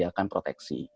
jadi dia akan proteksi